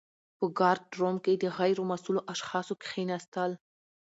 په ګارډ روم کي د غیر مسؤلو اشخاصو کښيناستل .